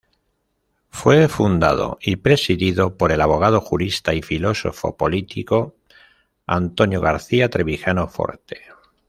Fue fundado y presidido por el abogado, jurista y filósofo político Antonio García-Trevijano Forte.